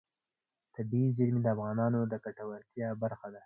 طبیعي زیرمې د افغانانو د ګټورتیا برخه ده.